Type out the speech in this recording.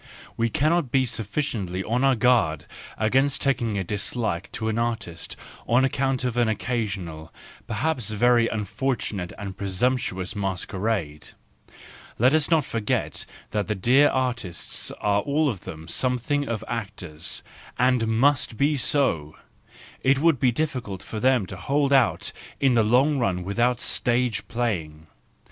We cannot be sufficiently on our guard against taking a dislike to an artist on account of an occasional, perhaps very unfortunate and presumptuous masquerade; let us not forget that the dear artists are all of them something of actors—and must be so ; it would be difficult for them to hold out in the long run without stage¬ playing.